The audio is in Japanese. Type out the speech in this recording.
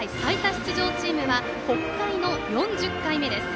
出場チームは北海の４０回目です。